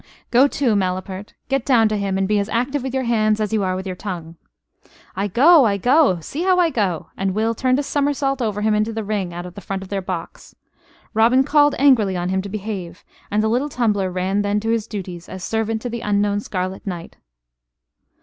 "Go to, malapert. Get down to him, and be as active with your hands as you are with your tongue." "I go, I go see how I go!" and Will turned a somersault over him into the ring out of the front of their box. Robin called angrily on him to behave, and the little tumbler ran then to his duties as servant to the unknown Scarlet Knight.